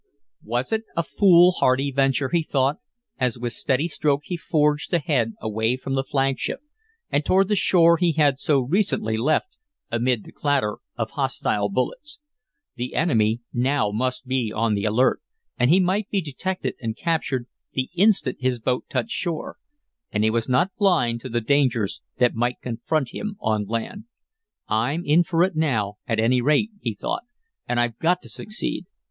Was it a foolhardy venture, he thought, as with steady stroke he forged ahead away from the flagship, and toward the shore he had so recently left amid the clatter of hostile bullets. The enemy now must be on the alert, and he might be detected and captured the instant his boat touched shore. And he was not blind to the dangers that might confront him on land. "I'm in for it now, at any rate," he thought, "and I've got to succeed.